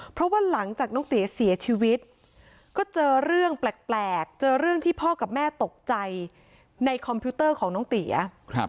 เพราะว่าหลังจากน้องเตี๋ยเสียชีวิตก็เจอเรื่องแปลกเจอเรื่องที่พ่อกับแม่ตกใจในคอมพิวเตอร์ของน้องเตี๋ย